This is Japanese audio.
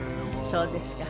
そうですか。